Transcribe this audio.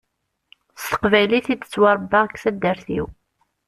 S teqbaylit i d-ttwaṛebbaɣ deg taddart-iw.